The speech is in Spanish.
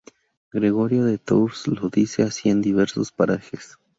Gregorio de Tours lo dice así en diversos parajes.